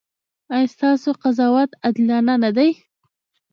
ایا ستاسو قضاوت عادلانه نه دی؟